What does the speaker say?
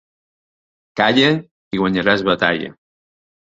Calla i guanyaràs batalla.